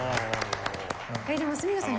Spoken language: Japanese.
でも角野さん